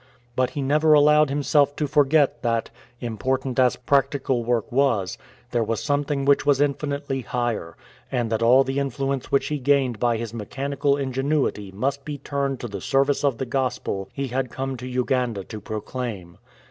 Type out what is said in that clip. But he never allowed himself to forget that, im portant as practical work was, there was something which was infinitely higher, and that all the influence which he gained by his mechanical ingenuity must be turned to the service of the Gospel he had come to Uganda to proclaim.